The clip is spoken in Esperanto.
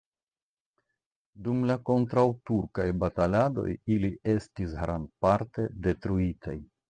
Dum la kontraŭturkaj bataladoj ili estis grandparte detruitaj.